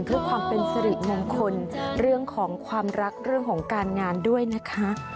เพื่อความเป็นสิริมงคลเรื่องของความรักเรื่องของการงานด้วยนะคะ